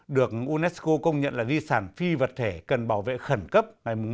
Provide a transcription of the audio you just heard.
được unesco công nhận là di sản phi vật thể cần bảo vệ khẩn cấp ngày một tháng một mươi năm hai nghìn chín